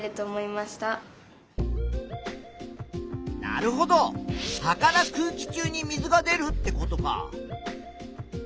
なるほど葉から空気中に水が出るってことか。